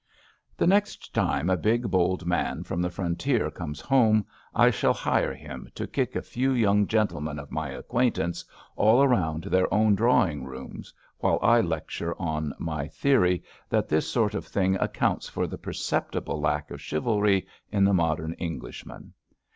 The next time a big, bold man from the frontier comes home I shall hire him to kick a few young gentlemen of my ac quaintance all round their own drawing rooms while I lecture on my theory that this sort of thing accounts for the perceptible lack of chivalry in the modem Englishman.